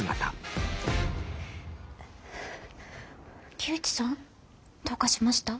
木内さんどうかしました？